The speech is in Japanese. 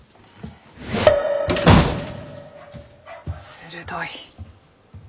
鋭い。